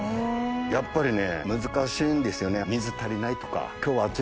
やっぱりね難しいんですよね。